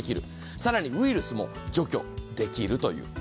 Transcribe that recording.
更にウイルスも除去できるという。